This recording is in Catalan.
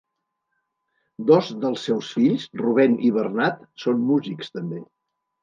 Dos dels seus fills, Rubén i Bernat són músics també.